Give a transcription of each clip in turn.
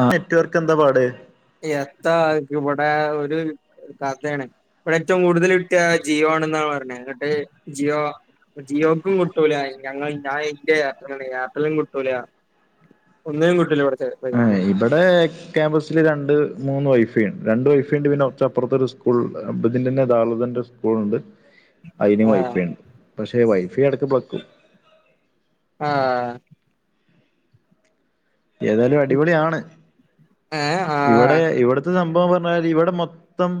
ആ network എന്താ പാട് എത്താ ക്ക് ഇവിടെ ഒരു ഒരു കഥയാണ് ഇവിടെ ഏറ്റവും കൂടുതൽ കിട്ടാ ജിയോ ആണന്നാണ് പറഞ്ഞ്എന്നിട്ട് ജിയോ പ്പൊ ജിയോക്കും കിട്ടൂല ഞങ്ങൾ ഞാൻ ഇന്റെ എയർടെല എയർടെലും കിട്ടൂല ഒന്നിനും കിട്ടൂല്ല ഇവിടുത്തെ അ റേഞ്ച് ഇബടെ ക്യാമ്പസില് രണ്ട് മൂന്ന് വൈഫൈ ഉണ്ട് രണ്ട് വൈഫ ഇണ്ട് പിന്നെ കൊറച്ച് അ പ്പുറത്ത് ഒരു സ്കൂൾ ഇതിന്റന്നെ [unintelligible] സ്കൂളും ഇണ്ട് അതിനും ആഹ് വൈഫൈ ഉണ്ട് പക്ഷെ വൈഫൈ എടക്ക പക്കും ആഹ് ഏതായാലും അടിപൊളിയാണ് ഏഹ് ആഹ് ഇവിടെ ഇവിടെ എന്താ സംഭവം പർ ഞ്ഞാല് ഇവിടെ മൊത്തം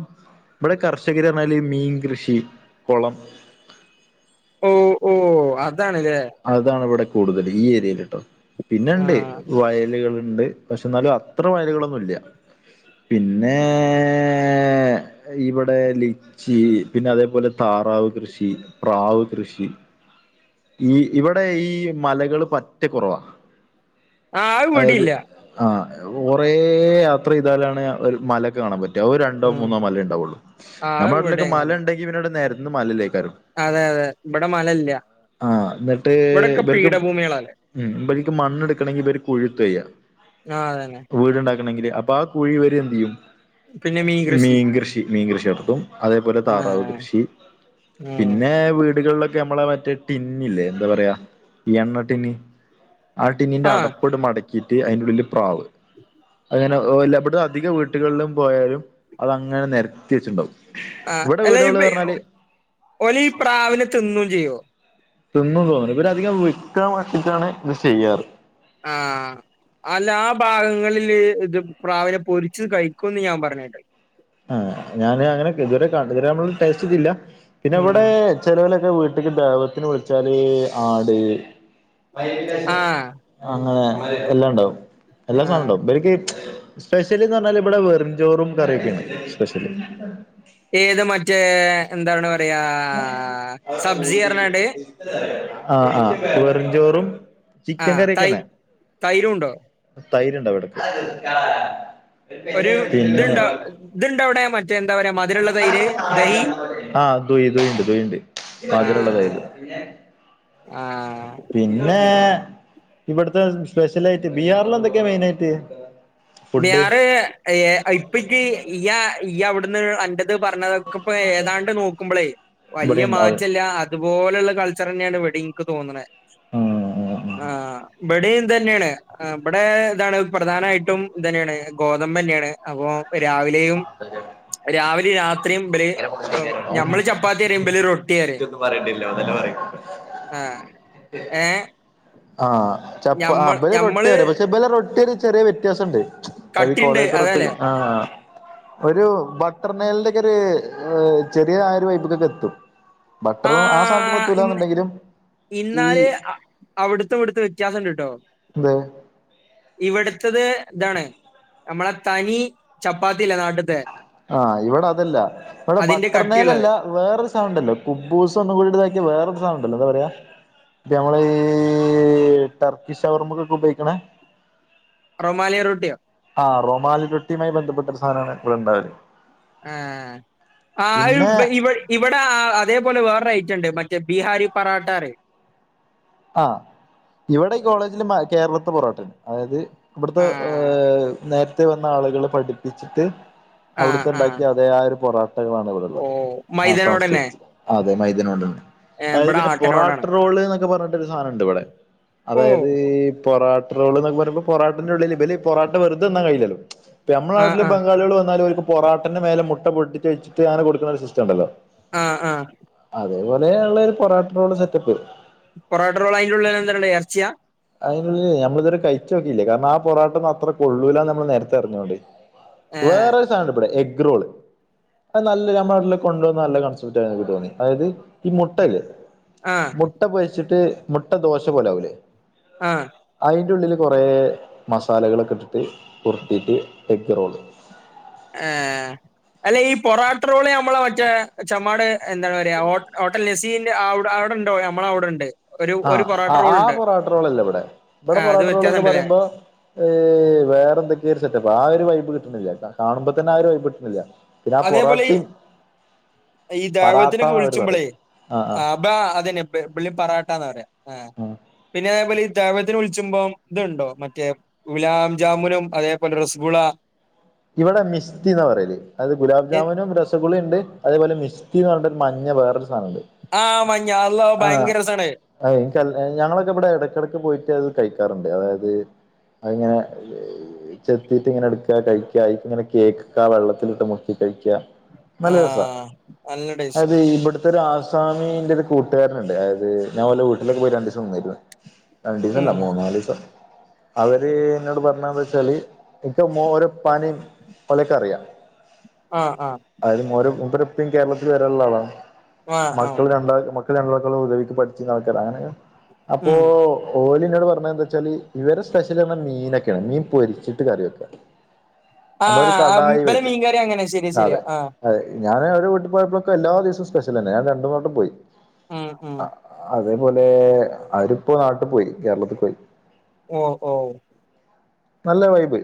ഇവിടെ കർഷകർ പറഞ്ഞാല് മീൻ കൃഷി കൊളം ഓ ഓ അതാണല്ലെ അതാണ് ഇവിടെ കൂടുതൽ ഈ ഏരിയല് ട്ടോ പിന്നെണ്ട് ആഹ് വയലുകളുണ്ട് പക്ഷെ എന്നാലും അത്ര വയലുകളൊന്നുംല്ല പിന്നേ ഇവിടെ ലിച്ചി പിന്നെ അതേപോലെ താറാവ് കൃഷി പ്രാവ് കൃഷി ഈ ഇവിടെ ഈ മലകള് പറ്റെ കൊറവാ. ആഹ് അത് അതാത് ഇവിടില്ല ആ ഒറേ യാത്രെയ്താലാണ് ഒര് മലൊക്കെ കാണാൻ പറ്റ് ഓ രണ്ടോ ഉം മൂന്നോ മലേണ്ടാവോള്ളൂ ആഹ് അത് ഇവിടെ ഞമ്മളാട്ടിലൊക്കെ അങ്ങനെ മലെണ്ടെങ്കി പിന്നെടെ നെരന്ന് മലല്ലേക്കാരം. അതെ അതെ ഇബടെ മലെല്ല്യ. ആ ന്നട്ട്... ഇബർക്ക്ഉം ഇബ ൽക്ക് മണ്ണെട്ക്കണെങ്കീ ഇബര് കുഴുത്താ യ്യാ. ആഅതന്നെ. വീട്ണ്ടാക്കണെങ്കില് അപ്പോ ആ കുഴിവരെന്തിയ്യും പിന്നെ മീൻ കൃഷി മീൻകൃഷി മീൻകൃഷ്യടത്തും. അതേപോലെ താറാവ് ആഹ് കൃഷി ഉം പിന്നേ വീടുകൾലൊക്കെ അമ്മളെ മറ്റ് ടിന്നില്ലേ എന്താ പറയാ ഈ എണ്ണ ടിന്ന് ആ ടിന്നിന്റെ ആഹ് അടപ്പ് പ്പട് മടക്കീട്ട് അയിൻ്റുള്ളില് പ്രാവ്. [unintelligible] അങ്ങനെ ഒ എല്ല ഇബ്ടധിക വീട്ട്കൾലും പോയാലും അത് അങ്ങനെ നെരത്തി വെച്ച്ണ്ടാവും. വ്ടെ വീട് കളറഞ്ഞാല് ഒലീ പ്രാവിനെത്തിന്നും ചെയ്യോ? തിന്നും തോന്നണ് ഇവരധികം വിക്കാൻ വണ്ടിട്ടാണ് ഇത് ചെയ്യാറ്. ആ.. അല്ല ആ ഭാഗങ്ങളില് ഇത് പ്രാവിനെ പൊരിച്ച് കഴിക്കുംന്ന് ഞാ പറഞ്ഞേട്ട്. ആ ഞാന് അങ്ങനെതുവരെ ഇതുവരെ നമ്മള് ടേസ്റ്റെയ്തില്ല. പിന്നെ ഉം ഇവടേ ചെലോലൊക്കെ വീട്ട്ല് ദഅവ ത്തിന് വിൾച്ചാല്... ആട് ആഹ് അങ്ങനെ എല്ലാണ്ടാവും എല്ലാ ആഹ് സാനുണ്ടാവും ഇബൽക്ക് [inaudible] സ്പെഷ്യല്തവല് ബ്ടെ വെറും ചോറും കറിയൊക്കേണ് സ്പെഷല്. ഏത് മറ്റേ... എന്താണ് പറയാ... സബ്ജി പറഞ്ഞാണ്ട്. ആഹ് ആ വെറുചോറും ചിക്കൻ ആഹ് തൈ കറിയൊക്കെന്നെ. തൈരുണ്ടോ തൈര്ണ്ടാവ്ടേക്ക്. [inaudible] ഒരു ദ്ണ്ട ദ്ണ്ടവ്ടെ മറ്റേ ന്താ പറയാ മധ് രള്ള തൈര് ദഹീ [inaudible] മധുരള്ള തെെര്. ആഹ് പിന്നെ ഇവട്ത്തെ സ്പെഷ്യലായിട്ട് ബീഹാറിലെന്തൊക്കെയാ മെയിൻ ആയിട്ട്? ബീഹാറ് [inaudible] യ്യാ യ്യ അവട്ന്ന്അന്റെ ഇത് പറഞ്ഞതൊക്കെപ്പോ ഏതാണ്ട് നോക്കുമ്പളേ ഇവിടെ വല്യ അവിടെ മാറ്റല്ലാ അത്പോലെള്ള കൾച്ചറെന്നെയാണ് ഇവടീം ഇൻക്ക് തോന്ന്ണേ, ആഹ് ബഡീം ഇതെന്നേണ് ബടെ ഇതാണ് പ്രധാനായിട്ടും ഇതന്നേണ് ഗോതമ്പെന്നേണ് അപ്പൊ രാവി [inaudible] രാവിലെ രാത്രിയും ബല് ഞമ്മള് ചപ്പാത്തീറിയും ബല് റൊട്ടീറയും. ഇയ്യൊന്നും പറയണ്ടില്ലാ ഓൻ തന്നെ പറയും ആഹ്. ആ ചപ്പ ആ ഞമ്മൾ ബല് ഞമ്മള് റൊട്ടീയാണ് പക്ഷേ ബലെ റൊട്ടിയൊര് ചെറ്യേ വെത്യാസണ്ട് അത്ഈ കട്ടിണ്ട് കോളേജ്ത്തെ റൊട്ടി അതാല്ലേ ആ ഒരു ബട്ടർനേലിന്റൊക്കൊര് ചെറിയ ആഹ് ഒര് വെെബ്ക്കൊക്കെത്തും. ബട്ടറും ആ ആഹ് സാനത്ത്മ്മെത്തൂല്ലാന്ന്ണ്ടെങ്കില ഇന്നാല് അവിടുത്തെ ഇവിടുത്തെ വ്യത്യാസണ്ട്ട്ടോ. ന്തേ? ഇവിടുത്തത് ഇതാണ് അമ്മളെ തനി ചപ്പാത്തില്ലേ നാട്ട്ത്തേ ആഹ് ഇവടതല്ല ഇവടെ കട്ടിയുള്ളത് ബട്ടർനേലല്ല വേറൊര് സാനണ്ടല്ലോ കുബൂസൊന്നും കൂടിയിട്ട്താക്കിയ വേറൊരു സാനണ്ടല്ലോ ന്താ പറയാ പിന്നമ്മള് ടർക്കിഷവർമക്കൊക്കെ ഉപയോക്കണേ റൊമാലി റൊട്ട്യോ? ആഹ് റൊമാലിൻ റൊട്ടിയുമായി ബന്ധപ്പെട്ട ഒരു സാനാണ് ഇവടെണ്ടാവല്. ഏഹ് ആഹ് അയ് പിന്നെ ബ ഇവ ഇവടെ അതേപോലെ വേറൊരെെറ്റണ്ട് മറ്റേ ബീഹാരി പറാട്ടാറയും. ആഹ് ഇവിടെ ഈ കോളേജില് കേരളത്തെ പൊറോട്ടന് അതായത് ഇവിടുത്തെ ആ ഏഹ നേരത്തെ വന്ന ആളുകൾ പഠിപ്പിച്ചിട്ട് ആ അവിടുത്തെ ആ ഉണ്ടാക്കി അതെ ആ ഒരു പൊറാട്ടകളാണ് ഓ ഇവിടെള്ളത് ആ മൈദനോടന്നെ [unintelligible] അതെ മൈദേനോണ്ടന്നെ ഏ അത് ഇവിടെ പിന്നെ പൊറാട്ട ആട്ടനോടാണ് റോള് [unintelligible] പറഞ്ഞിട്ടൊരു സാധനണ്ട് ഇവിടെ ഓ അതായത് ഈ പൊറാ റോള് എന്നൊക്കെ പറയുമ്പോ പൊറട്ടന്റെ ഉള്ളിൽ ഇബല് പൊറോട്ട വെറുതെ തിന്നാൻ കഴല്ലോ നമ്മ ആ നാട്ടില് ആ ബംഗാളികൾ വന്നാലും പൊറട്ടന്റെ മേലെ മുട്ട പൊട്ടി വച്ചിട്ട് അങ്ങെ കൊടുക്കുന്ന ഒരു സിസ്റ്റം ഉണ്ടല്ലോ ആഹ് ആഹ് അതേപോലെ ഉള്ള ഒരു പൊറട്ടറോള് സെറ്റപ്പ് പൊറോട്ട റോള് അയിൻ്റുള്ളില് [unintelligible] എർച്ചിയാ അതിനുള്ളില് നമ്മള് ഇതുവരെ കഴിച്ച് നോക്കിയില്ല കാരണം ആ പൊറട്ടന്നും അത്ര കൊള്ളൂലന്ന് നമ്മള് നേരത്തെ അറിഞ്ഞോണ്ട് ഏ വേറെരു സാധന ബടെ എഗ്റോള് അത് നല്ല നമ്മുടെട്ടില് കൊണ്ടന്ന നല്ല കൺസക്ക് തോന്നി അതായത് ഈ മുട്ടല് ആഹ് മുട്ട പൊരിച്ചിട്ട് മുട്ട ദോശ പോലാവൂലേ ആഹ് അതിന്റെ ഉള്ളില് കുറേ മസാലകളൊക്കെ ഇട്ടിട്ട് കുറുത്തിയിട്ട് എഗ് റോള് ആഹ് അല്ല ഈ പൊറാട്ടറോള് നമ്മളെ മറ്റേ ച്മാട് എന്താണ് പറയാ അ നസീന്റെ അവിടെ അവിടെണ്ടോ നമ്മള അവിടെണ്ട് ആഹ ആ ആ പൊറാട്ടറോളല്ലേ ഇവിടെ ഇവിടെ ആ അത് വ്യത്യാസം പൊറാട്ടറോളെന്ന് ഉണ്ടല്ലേ പറയുമ്പോ ഏ വേറെ എന്തൊക്കെയ ഒരു സെറ്റപ്പ് ആ ഒരു വൈബ് കിട്ടുന്നില്ല കാണുമ്പോ തന്നെ ആ ഒരു വൈബ് കിട്ടണില്ല പിന്നെ ആ അതേപോലെ ഈ പൊറോട്ടേം ഈ പറാത്താന്നാ അവര് പറേന്നേ ആഹ് ആഹ് ബ്ബാ അതന്നെ ബ്ബ് ബ്ളി പറാട്ടാ ന്നാ റയാ ആഹ് ആഹ് പിന്നെ [unintelligible] വിളിച്ചുമ്പോം ഇത്ണ്ടോ മറ്റേ ഗുലാബ് ജാമുനും അതേപോലെ റസഗുള ഇവിടെ മിസ്ക്കിന്ന് പറയലേ അത് ഗുലാഭ് ജാമുനും പച്ചക്കുളി ഉണ്ട് അതേപോലെ മിസിക്കിന്ന് പറഞ്ഞിട്ട് മഞ്ഞ വേറരു സാധനുണ്ട് ആഹ് മഞ്ഞ അള്ളാ ഭയങ്കര രസാണ് [unintelligible] ഞങ്ങളൊക്കെ ഇവിടെ ഇടയ്ക്കിടയ്ക്ക് പോയിട്ട് അത് കഴിക്കാറുണ്ട് അതായത് അയിങ്ങനെ ചെത്തിട്ട് ഇങ്ങനെ എടുക്കുക കഴി ഇങ്ങനെ കേക്കക്ക വെള്ളത്തിലിട്ട് മുക്കി കഴിക്ക നല്ല രസ ആഹ് നല്ല ടേസ്റ്റാ അത് ഇവിടു ഇവിടൊരു ആസാമി ന്റെ ഒരു കൂട്ടുകാരൻണ്ട് അതായത് ഞാൻ ഓൻ്റെ വീട്ടിലൊക്കെ പോയി രണ്ടീസം നിന്നിരുന്നു രണ്ടു ദിവസംല്ല ഉം മൂന്ന നാല് ദിവസം അവര് എന്നോട് പറഞ്ഞന്ന് വച്ചാല് ഇക്ക പാനം ഒലക്കറിയാം ആഹ് ആഹ് [unintelligible] ഓരോപ്പരപ്പും കേരളത്തില് വരാനുള്ള ആളാ ആഹ് ആഹ് മക്കൾ രണ്ടാ [unintelligible] പഠിച്ച നടക്ക അങ്ങനെ അപ്പൊ ഉം ഓലിനോട് പറഞ്ഞ എന്താ വെച്ചാല് ഇവര് സ്പെഷ്യല് പറഞ്ഞാല് മീനൊക്കെയാണ് മീൻ പൊരിച്ചിട്ട് കാറിവെക്ക ആഹ ഇമ്പല മീൻകാറി അങ്ങനെ ശരിയാ ശരിയാ അതെ ആഹ് അതെ ഞാന് ഒരു വീട്ട പോയപ്പോഴൊക്കെ എല്ലാ ദിവസവും സ്പെഷ്യൽ തന്നെ ഞാൻ രണ്ടു തോട്ടം പോയി ഉം ഉം ആഹ് അതേപോലെ അവരിപ്പോ നാട്ടിൽ പോയി കേരളത്തിൽ പോയി ഓഹ് ഓഹ് നല്ല വൈബ്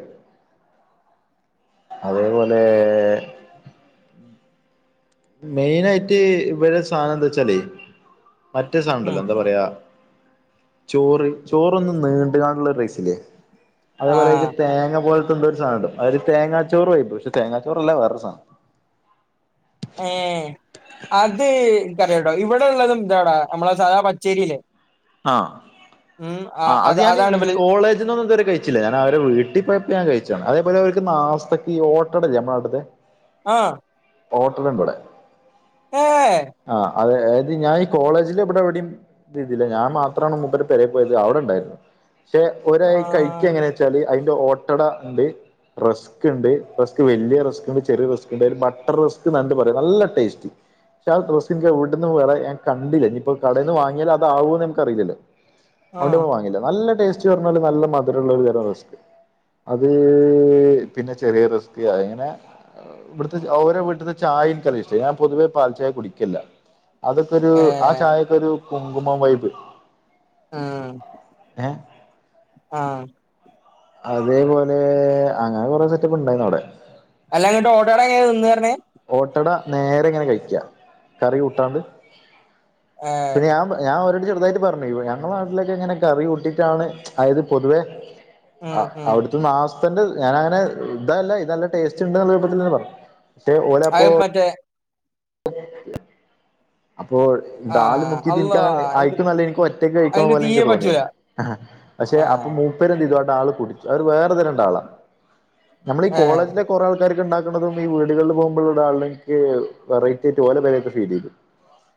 അതേപോലെ മെയിനായിട്ട് ഇവിടെ സാധനം എന്താ വെച്ചാലേ മറ്റേ ഉം സാണ്ടല്ലോ എന്താ പറയാ ചോറ് ചോറൊന്നും നീണ്ടുകാണ്ടുള്ള റൈസിലേ അതേപോലെനിക്ക് ആഹ് തേങ്ങ പോലത്തെന്തോ ഒരു സാനം ഉണ്ട് അതായത് തേങ്ങാച്ചോറ് വൈബ് പക്ഷെ തേങ്ങാച്ചോറല്ല വേറൊരു സാനം ഏ അത് എനിക്കറിയില്ലാ കേട്ടോ ഇവിടെ ഉള്ളതുംന്താടാ നമ്മളെ സാദാ പച്ചേരില്ലേ ആഹ് ആ ആഹ് അത് ഞാൻ അതാണ് ഈ ഇബല് കോളേജിന്ന് ഇതുവരെ കഴിച്ചിട്ടില്ല ച്ചില്ല ഞാൻ അവരെ വീട്ടിൽ പോയപ്പോ ഞാൻ കഴിച്ച അതേപോലെ അവർക്ക് നാസ് ഓട്ടടല്ലെ നമ്മടെ നാട്ട്ത്തെ ആഹ് ഹോട്ടല്ണ്ട് വടെ ഏഹ് ആഹ് അതെ അതത് ഞാൻ ഈ കോളേജിന്റെ ഇവിടെ എവിടെയും ഇ ഇതില്ല ഞാൻ മാത്രണ് മൂപരെ പെരെ പോയത് അവിടെണ്ടായിരുന്നു പക്ഷെ ഒരായി കഴി ക്ക് ആഹ് എങ്ങനെ ച്ചാല് അതിന്റെ ഓട്ടട ണ്ട് റസ് ക്കെണ്ട് റസ്ക് വല്യ റസ്ക് ഇണ്ട് ചെറിയ റസ്ക് ഇണ്ട് അ ബട്ടർ റസ്ക് ന്ന പറയ നല്ല ടേസ് പക്ഷെ ആഹ് ഡ്രസിൻ ഇവിടെന്ന് വേ ഞാൻ കണ്ടില്ലേ ഇഞ്പ്പോ കടേന്ന് വാങ്ങിയത അതാവോ ക്കറില്ലയ്ന്നു ആഹ് അവന്റേന്ന് വാങ്ങില്ല നല്ല ടേസ്റ്റ് പറഞ്ഞാല് നല്ല മധുരള്ളാരു തരം റസ് അത് പിന്നെ ചെറിയ റെസ്ക് അതിങ്ങനെ ഇവിടുത്തെ ഓരോ വീട്ടത്തെ ചായൻ കറി ഇഷ്ടം ഞാൻ പൊതുവേ പാൽ ചായ കുടിക്കെല്ല അതൊക്കൊരു ഏഹ് ആഹ് ചായൊക്കൊരു കുങ്കുമം വൈബ് ആഹ് ഏഹ് ആഹ് അതേപോലെ അങ്ങനെ കൊറെ സെറ്റപ്പ് ഉണ്ടായിരുന്നു അവിടെ അല്ല ങ്ങട്ട് ഒട്ടട എങ്ങനെ തിന്ന് ർഞ്ഞേ ഓട്ടട നേരെ ഇങ്ങനെ കഴിക്കാ കറി കൂട്ടാണ്ട് ഏഹ് പിന്നെ ഞാൻ പ ഞാൻ അവരോട് ചെറുതായിട്ട് പറഞ്ഞെ ഞങ്ങടെ നാട്ടിലേക്ക് എങ്ങനെ കറി കൂട്ടിട്ടാണ് അതത് പൊതുവേ ഉം ആഹ് ഉം അവിടുത്തെ മാസത്തിന്റെ ഞാനങ്ങനെ ഇതല്ല ഇത് നല്ല ടേസ്റ്റ് ഉണ്ട് ർഞ്ഞപ്പത്തി പറഞ്ഞു ചെ ഓലപ്പോ അത് മറ്റേ അപ്പോ ഡാല് ആഹ് മുക്കിയിട്ട് അള്ളാ എനിക്കങ്ങനെ അയക്കുന്നല്ല എനിക്ക് ഒറ്റക്ക് കഴിക്കണ എനിക്ക് പോലെ ഇൻക്ക് തീരെ തോന്നിയ പറ്റൂല പക്ഷെ അപ്പൊ ആഹ് [unintelligible] ആൾ പോയി അവര് വേറെ തെരള്ള ആളാണ് നമ്മൾ ഈ ഏഹ് കോളേജിലെ കുറെ ആൾക്കാർക്ക് ഉണ്ടാക്ക്ണതും ഈ വീടുകളിൽ പോകുമ്പോ ടാള്ള ക്ക് വെറൈറ്റി ആയിട്ട് ഒലെ പെര പ ഫീൽ ചെയ്തെ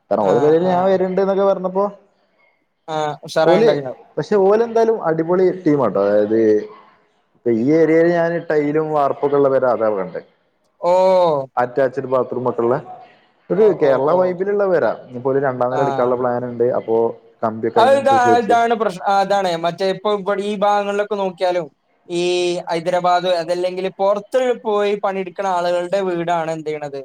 കാരണം ഓലെ ആഹ് പേരെല് ഞാൻ ആഹ് വര്ണ്ട് ന്നൊക്കെ പറഞ്ഞപ്പോ ആഹ് ഉഷറായി ഓല് ഉണ്ടാക്കി ണ്ടാക്ക് പക്ഷെ ഓലെന്തായാലും അടിപൊളി ടീം ആട്ടോ അതായത് പ്പ ഈ ഏരിയല് ഞാന് ടൈലും വാർപ്പൊക്കൊള്ള പെര അതാ കണ്ടത് ഓഹ് അറ്റാച്ചഡ് ബാത്ത്റൂമക്കെള്ളെ ഒരു ഓഹ് ഓഹ് കേരള വൈ ഓഹ് വരാ ഇപ്പോ ഒര് രണ്ടാ നേരം എടുക്കാനുള്ള പ്ലാൻ ഇണ്ട് അപ്പോ കമ്പിയൊക്കെ അ ഇതാ അതിനനുസരിച്ച് വെച്ച് ഇതാണ് പ്രശ് അതാണ് മറ്റേ ഇപ്പൊ വടെ ഈ ഭാഗങ്ങളിലൊക്കെ നോക്കിയാലും ഈ ഹൈദരാബാദ് അതല്ലെങ്കിൽ പൊറത്ത് പോയി പണിയെടുക്കണ ആളുകളുടെ വീടാണ് എന്ത് യ്യ്ണത്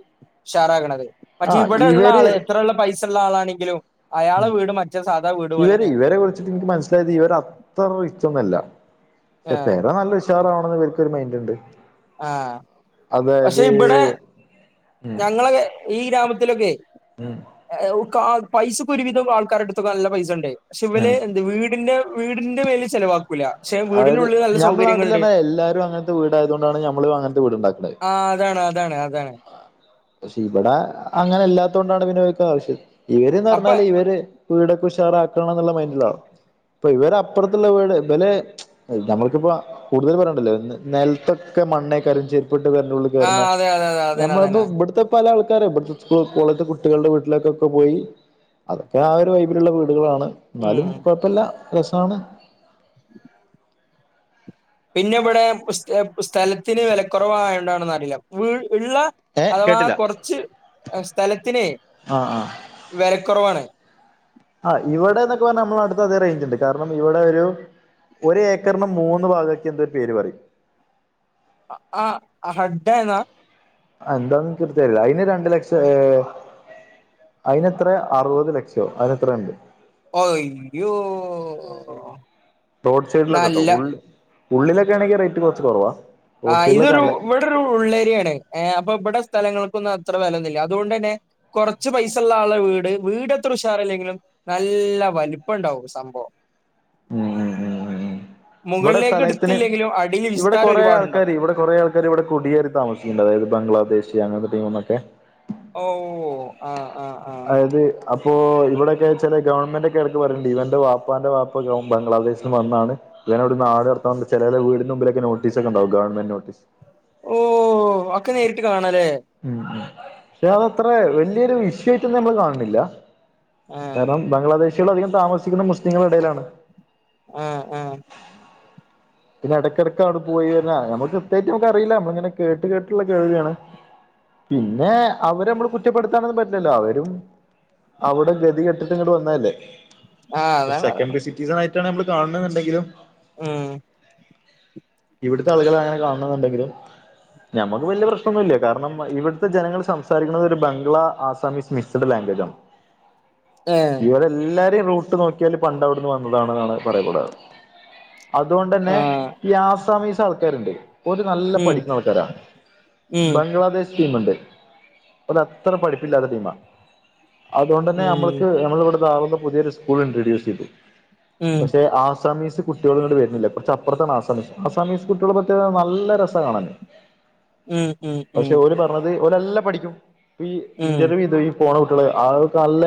ഷാറാഗ്ണത് പക്ഷെ ആഹ് ഇവിടെ ഇള്ള ഇവര് ആള് എത്രയള്ള പൈസള്ള ആളാണെങ്കിലും അയാളെ വീട് മറ്റ സാധാ വീട് പോലെന്നെണ് വരെ കുറിച്ചിട്ട് എനിക്ക് മനസിലായത് ഇവർ അത്ര റിച്ചൊന്നല്ല പക്ഷെ പേര നല്ല ഷാറാവണന്ന്ള്ള ൻ കൊര് മൈന്റ് ണ്ട് ആഹ് പക്ഷെ ഇവിടെ ഉം ഞങ്ങള ഈ ഗ്രാമത്തിലൊക്കെ ഉം ത പൈസക്കെ ഒരുവിധം ആൾക്കാരെ അടുത്തക്കെ നല്ല പൈസ ഇണ്ട് പക്ഷെ ഇവല് ഉം ത് വീടിന്റെ വീടിന്റെ പേര്ല് ചെിലവാക്കൂല അതായത് ഞമ്മളെ നാട്ടിലന്നെ എല്ലാരും അങ്ങനത്തെ വീടായത് കൊണ്ടാണ് ഞമ്മളും അങ്ങനത്തെ വീടുണ്ടാക്കുന്ന് ആഹ് അതാണ് അതാണ് അതാണ് പക്ഷെ ഇവിടെ അങ്ങനെ അല്ലാത്ത കൊണ്ടാണ് വിനിയോഗിക്ക ആവശ്യം അപ്പൊ ഇവര്ന്ന്ർഞ്ഞാല് ഇവര് വീടൊക്കെ ഉഷാറാക്കണം ന്നുള്ള മൈൻഡിലാണ് പ്പൊ ഇവരെ അപ്പർത്തുള്ള വീട് വല് നമ്മൾക്കിപ്പോ കൂടുതൽ പറണ്ടല്ലോ നിലത്തൊക്കെ മണ്ണേ കരും ചേരിപ്പിട്ട് പെരന്റെ ഉള്ളിൽ ആ കേറ്ണ അതെ അതെ അതെ അതന്നെ ഞമ്മൾതു അതന്നെ ഇവിടുത്തെ പല ആൾക്കാര ഇവിടുത്തെ സ്കു കോളേജ്ത്തെ കുട്ടികളെ വീട്ടിലേക്കൊക്കെ പോയി അതൊക്കെ ആ ഒരു വൈബിലുള്ള വീടുകളാണ് ഉം ന്നാലും കൊഴപ്പല്ല രസാണ് പിന്നെ ഇവിടെ സ്ഥ സ്ഥലത്തിന് വിലക്കുറവയൊണ്ടാണെന്ന്റിയില്ല ഇള്ളെ നല്ല ഏഹ് അഥവാ കേട്ടില്ല കൊറച്ച് സ്ഥലത്തിനെയ് ആഹ് ആഹ് വെലക്കൊറവാണ് ഹാ ഇവടെന്നൊക്കെ പറഞ്ഞ നമ്മളനാട്ട്ത്തതേ റേഞ്ച്ണ്ട് കാരണം ഇവിടെ ഒരു ഒരേക്കർന് മൂന്ന് ഭാഗാക്ക്യന്തോ ഒരു പേര് പറിം. അ ആ അഹഡ്ഡയെന്ന. എന്താന്നെനിക്കൊരിതില്ല അയ്ന് രണ്ട് ലക്ഷ- അയിനെത്ര അറുവത് ലക്ഷോ അങ്ങനെത്രോ ണ്ട്. അയ്യോ. റോഡ് സൈഡിലൊക്കെട്ടോ നല്ല ഉള്ള് ഉള്ളിലൊക്കെയാണെങ്കി റേറ്റ് കൊറച്ച് കൊറവാ ആഹ് ഇതൊരു വടൊരു ഉള്ളേരിയേണ് ഏ അപ്പ ബടെ സ്ഥലങ്ങൾക്കൊന്നു അത്ര വെലെന്നുല്ല അതുകൊണ്ടെന്നെ. കൊറച്ച് പൈസള്ളാളെ വീട് വീടത്ര ഉഷാറില്ലെങ്കിലും നല്ല വല്പ്പണ്ടാവും സംഭവം ഉം ഉം ഉം ഉം വടെ മുകളിലേക്ക് സ്ഥലയ്ത്തിന് എടുത്തില്ലെങ്കിലും അടിയിൽ ഇവടെ വിസ്താരം കൊറേ ആൾ. ഒരുപാടുണ്ടാവും ആൾക്കാര് ഇവിടെ കൊറേയാൾക്കാരിവിടെ കുടിയേറി താമസിക്ക്ണ്ട് അതായത് ബംഗ്ലാദേശ് അങ്ങനത്തെ ടീമ്ന്നൊക്കെ ഓഹ് ആഹ് ആഹ് ആഹ്. അതായത് അപ്പോ ഇവിടൊക്കെ ചെല ഗവൺമെന്റൊക്കെ എടക്ക് പറയ്ണ്ട് ഇവന്റെ വാപ്പാന്റെ വാപ്പ ബംഗ്ലാദേശ്ന്ന് വന്നാണ് ചേലോരെവട്ന്ന് നാട്കടത്താൻ വേണ്ടി ചേലോൽടെ വീടിന് മുമ്പിലൊക്കെ നോട്ടീസൊക്ക്ണ്ടാവും ഗവൺമെന്റ് നോട്ടീസ് ഓ അതൊക്കെ നേരിട്ട് കാണല്ലേ ഉം ഉം പക്ഷെ അതത്ര വല്യൊരു വിഷയായിട്ടൊന്നും നമ്മള് കാണുന്നില്ല ആഹ് കാരണം ബംഗ്ലാദേശികൾ അധികം താമസിക്കുന്നത് മുസ്ലിങ്ങളെടെലാണ്. ആഹ്. ആഹ് പിന്നെടക്കെടക്കൗടെ പോയിവെര്ണ നമ്മക്ക് കൃത്യായിട്ടുമ്ക്കറീല നമ്മള്ങ്ങനെ കേട്ട് കേട്ടുള്ള കേൾവ്യാണ്. പിന്നെ അവരെമ്മള് കുറ്റപ്പെടുത്താനൊന്നും പറ്റില്ലല്ലോ അവരും അവിടെ ഗതികെട്ടിട്ട്ങ്ങ്ട് വന്നതല്ലേ ആഹ് ഒര് അതാണ് സെക്കൻ അതാണ് വിസിറ്റീസായിട്ടാണ് നമ്മള് കാൺ ണ്ന്ന്ണ്ടെങ്കിലും. ഉം ഇവിടുത്താളുകളെങ്ങനെ കാണണെന്ന്ണ്ടെങ്കിലും ഞമ്മക്ക് വല്ല്യ പ്രശ്നൊന്നുല്ല കാരണം ഇവിട്ത്തെ ജനങ്ങൾ സംസാരിക്ക്ണത് ഒരു ബംഗ്ലാ ആസാമിസ് മിക് സ്ട് ലാംഗ്വേജാണ്. ഏഹ് ഇവരെല്ലാരേം റൂട്ട് നോക്കിയാൽ പണ്ടവിടുന്ന് വന്നതാണെന്നാണ് പറയാറുള്ളത് തുകൊണ്ടെന്നെ ആഹ് ഈ ആസാമീസാൾക്കാരുണ്ട്. ഒരു നല്ല ഉം പഠിക്ക്ണാൾക്കാരാ ഉം ബംഗ്ലാദേശ് ടീമ്ണ്ട് ഓലത്ര പഠിപ്പില്ലാത്ത ടീമ. അതുകൊണ്ടന്നെ ഉം നമ്മൾക്ക് നമ്മളിവിടുത്താറുന്ന പുതിയൊരുസ്കൂൾണ്ട് ഡിസിഡി ഉം പക്ഷെ ആസാമീസ് കുട്ടികള്ങ്ങ്ണ്ട് വര്. കൊറച്ചപ്പോർത്താണ് ആസമീസ് ആസാമീസ് കുട്ടികളെ മറ്റേ നല്ല രസാ കാണാന് ഉം ഉം പക്ഷെ ഉം ഓല് പർഞ്ഞത് ഓലല്ല പഠിക്കും പ്പീ ഉം ഇന്റർവ്യൂ ഇതയും. പോണ കുട്ടികള് ആളൊക്കെ നല്ല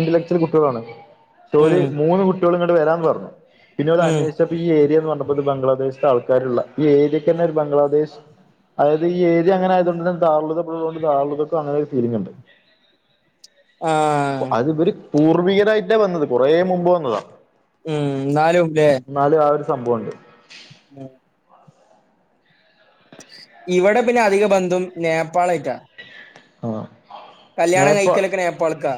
ഇന്റലക്ച്വൽ കുട്ടികളാണ്പക്ഷെ ഓല് ഉം മൂന്ന് കുട്ടിയാളെ കുട്ടികളോടങ്ങട്ട് വരാന്ന് പറഞ്ഞു പിന്നവര് ഉം അന്വേഷിച്ചപ്പോ ച്ചപ്പ ഈ ഏരിയെന്ന് പഞ്ഞപ്പണ്ട് ബംഗ്ലാദേശ്ത്താൾക്കാരുള്ള ഈ ഏരിയക്കെന്നെ രു ബംഗ്ലാദേശ്. അതയത് ഈ ഏരിയ അങ്ങനായ്തുകൊണ്ടന്നെ താളുള്ള്ത്തെ പിള്ളേരൊണ്ട് താളുള്ള്ത്തെ അങ്ങനെരു ഫീലിംഗ്ണ്ട്. [inaudible] ആഹ്. അത് വര് പൂർവികരായിട്ടാ വന്നത് കൊറേ മുമ്പ് വന്നതാ. ഉം ന്നാലും ലേ. എന്നാലും ആ ഒരു സംഭവുണ്ട് ഉം ഇവടെ പിന്നെ അധികബന്ധും നേപ്പാളായ്ട്ടാ. ആഹ് കല്യാണം നേരപ്പ കഴിക്കലൊക്കെ നേപ്പാൾക്കാ.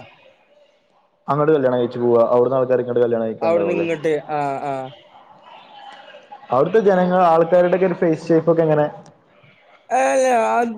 അങ്ങട് കല്യാണം കയ്ച്ച്പോവ ഔട്ന്നാൾക്കാര് ഇങ്ങട്ട് കല്യാണം അവിടുന്ന് കയിക്ക്ണ്ടാവള്ളേ. ഇങ്ങട്ട് ആഹ് ആഹ് അവിടുത്തെ ജനങ്ങള് ആൾക്കാരുടെക്കൊരു ഫേസ് ഷേപ്പൊക്കെങ്ങനെ [unintelligible] അത്